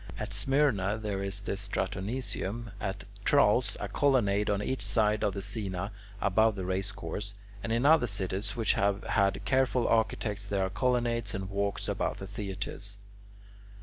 At Smyrna there is the Stratoniceum, at Tralles, a colonnade on each side of the scaena above the race course, and in other cities which have had careful architects there are colonnades and walks about the theatres.